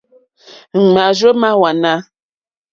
Máàrzó má hwánà.